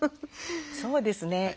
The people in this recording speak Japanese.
そうですね